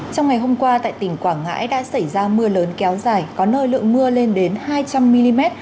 trong ngày hôm qua tại tỉnh quảng ngãi đã xảy ra mưa lớn kéo dài có nơi lượng mưa lên đến hai trăm linh mm